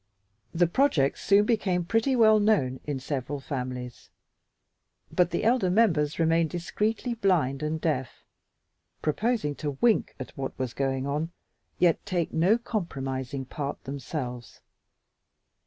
The project soon became pretty well known in several families, but the elder members remained discreetly blind and deaf, proposing to wink at what was going on, yet take no compromising part themselves.